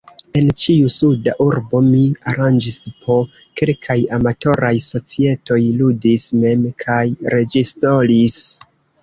En ĉiu suda urbo mi aranĝis po kelkaj amatoraj societoj, ludis mem kaj reĝisoris.